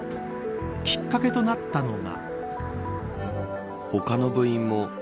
きっかけとなったのが。